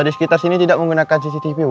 di sekitar sini tidak menggunakan cctv bu